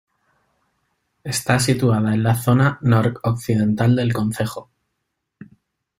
Está situada en la zona noroccidental del concejo.